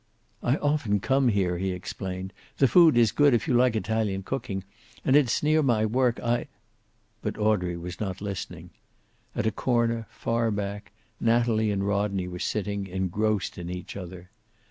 "I often come here," he explained. "The food is good, if you like Italian cooking. And it is near my work. I " But Audrey was not listening. At a corner, far back, Natalie and Rodney were sitting, engrossed in each other.